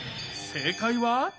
正解は。